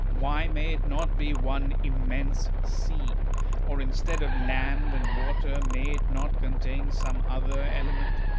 Why may it not be one immense sea ? Or instead of land and water, may it not contain some other element